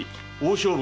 勝負！